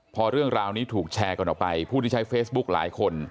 พอเรื่องราวนี้ถูกแชร์กันออกไปผู้ที่ใช้เฟซบุ๊กหลายคน